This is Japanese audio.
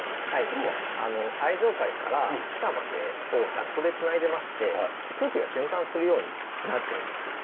あの最上階から地下までをダクトで繋いでまして空気が循環するようになってるんです。